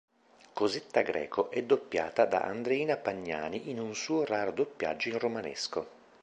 Cosetta Greco è doppiata da Andreina Pagnani in un suo raro doppiaggio in romanesco